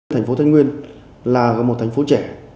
tp thái nguyên là một thành phố trẻ